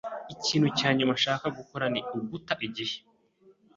Ikintu cya nyuma nshaka gukora ni uguta igihe.